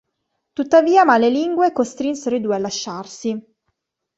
Tuttavia malelingue costrinsero i due a lasciarsi.